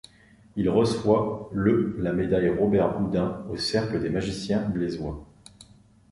Il reçoit le la médaille Robert-Houdin au Cercle des magiciens blésois.